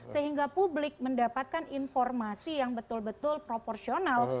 sehingga publik mendapatkan informasi yang betul betul proporsional